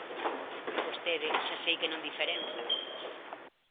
Vostede xa sei que non diferenza.